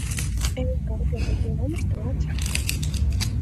Эй, каргыме, тый мом ыштылат?